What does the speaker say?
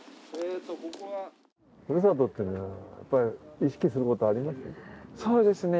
ふるさとっていうのは、やっぱり意識することはありますか？